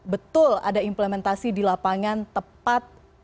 betul ada implementasi di lapangan tepat